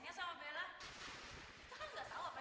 ya ampun linda